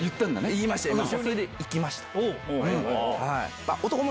言いましたそれで行きました。